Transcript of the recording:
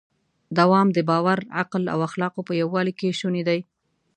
دوام د باور، عقل او اخلاقو په یووالي کې شونی دی.